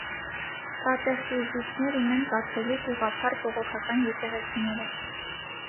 Կատեխիզիսներ ունեն կաթոլիկ, ուղղափառ, բողոքական եկեղեցիները։